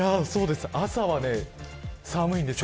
朝は寒いんですよ。